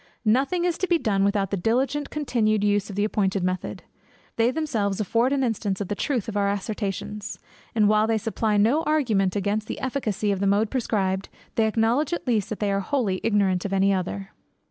Nothing is to be done without the diligent continued use of the appointed method. They themselves afford an instance of the truth of our assertions; and while they supply no argument against the efficacy of the mode prescribed, they acknowledge at least that they are wholly ignorant of any other.